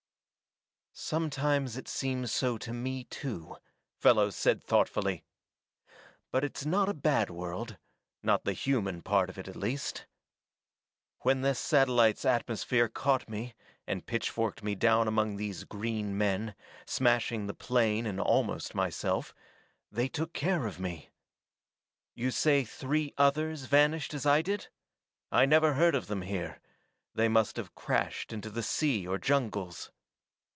"Sometimes it seems so to me, too," Fellows said thoughtfully. "But it's not a bad world not the human part of it, at least. When this satellite's atmosphere caught me and pitchforked me down among these green men, smashing the plane and almost myself, they took care of me. You say three others vanished as I did? I never heard of them here; they must have crashed into the sea or jungles.